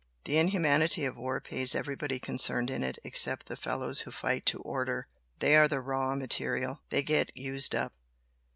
The inhumanity of war pays everybody concerned in it except the fellows who fight to order. They are the 'raw material.' They get used up.